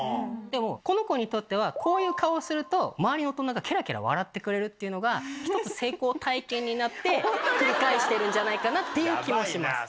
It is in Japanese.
でもこの子にとってはこういう顔すると周りの大人がケラケラ笑ってくれるっていうのが１つ成功体験になって繰り返してるんじゃないかなっていう気もします。